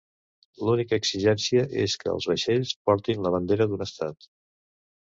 L'única exigència és que els vaixells portin la bandera d'un estat.